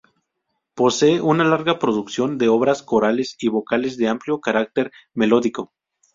Posee una larga producción de obras corales y vocales de amplio carácter melódico.